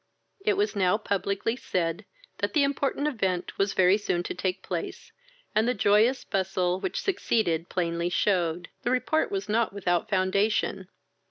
It was now publicly said, that the important event was very soon to take place, and the joyous bustle which succeeded plainly shewed, the report was not without foundation.